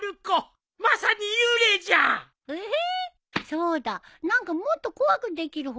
そうだ何かもっと怖くできる方法ないかな？